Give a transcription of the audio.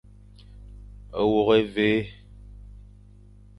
Wôkh évi.